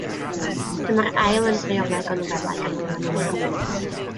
Dyma'r ail yn y drioleg o nofelau gan Wiliam Owen Roberts.